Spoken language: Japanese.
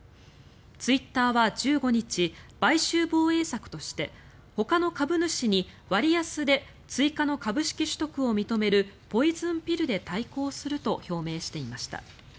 ツイッターは１５日買収防衛策としてほかの株主に割安で追加の株式取得を認めるポイズンピルで対抗すると表明していました。